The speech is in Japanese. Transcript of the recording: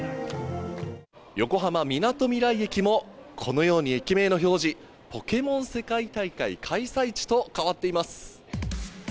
横浜・みなとみらい駅も、このように駅名の表示、ポケモン世界大会開催地と変わっています。